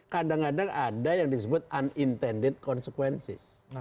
kadang kadang ada yang disebut unintended consequences